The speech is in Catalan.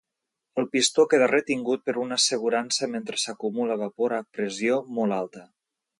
El pistó queda retingut per una assegurança mentre s'acumula vapor a pressió molt alta.